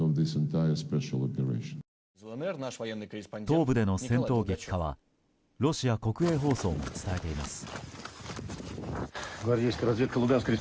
東部での戦闘激化はロシア国営放送も伝えています。